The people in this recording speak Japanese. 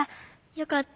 よかった。